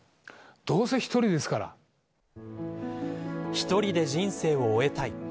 １人で人生を終えたい。